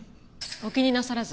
お気になさらず。